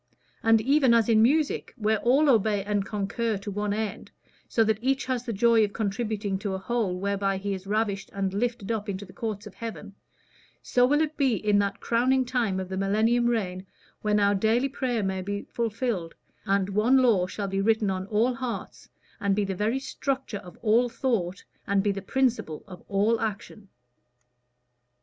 And even as in music, where all obey and concur to one end, so that each has the joy of contributing to a whole whereby he is ravished and lifted up into the courts of heaven, so will it be in that crowning time of the millennial reign, when our daily prayer will be fulfilled, and one law shall be written on all hearts, and be the very structure of all thought, and be the principle of all action."